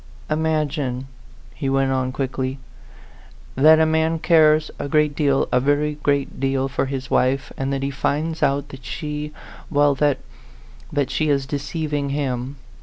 "Imagine," he went on quickly, "that a man cares a great deal a very great deal for his wife, and that he finds out that she well, that that she is deceiving him.